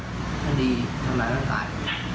คดีทำร้ายต้องตาย